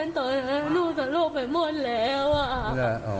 แต่ตอนนั้นหนูจะโรคไปหมดแล้ว